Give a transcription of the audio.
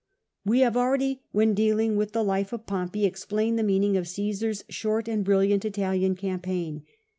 We have already, when dealing with the life of Pompey, explained the meaning of Csesafs short and brilliant Italian campaign.